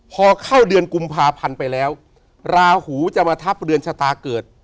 พอเข้าเดือนกุมภาพันธ์ไปแล้วราหูจะมาทับเรือนชะตาเกิด